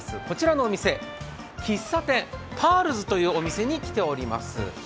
こちらのお店、喫茶店パールズというお店に来ております。